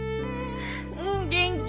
うん元気。